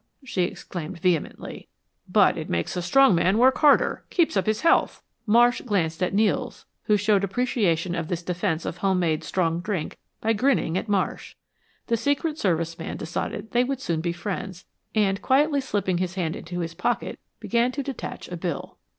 she exclaimed vehemently. "But it makes a strong man work harder keeps up his health." Marsh glanced at Nels, who showed appreciation of this defense of home made strong drink by grinning at Marsh. The Secret Service man decided they would soon be friends, and quietly slipping his hand into his pocket, began to detach a bill.